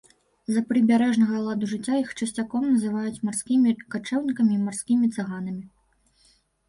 З-за прыбярэжнага ладу жыцця іх часцяком называюць марскімі качэўнікамі і марскімі цыганамі.